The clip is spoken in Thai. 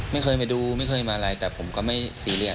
ไม่เคยมาดูไม่เคยมาอะไรแต่ผมก็ไม่ซีเรียส